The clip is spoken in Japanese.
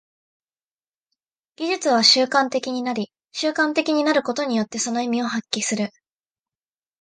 技術は習慣的になり、習慣的になることによってその意味を発揮する。